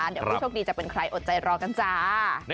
เดี๋ยวผู้โชคดีจะเป็นใครอดใจรอกันจ้า